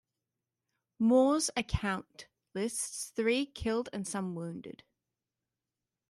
Moore's account lists three killed and some wounded.